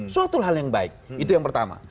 suatu hal yang baik itu yang pertama